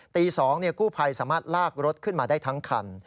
ตี๒กู้ภัยสามารถลากรถขึ้นมาได้ทั้งคัน